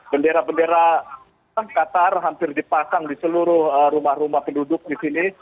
bendera bendera qatar hampir dipasang di seluruh rumah rumah penduduk di sini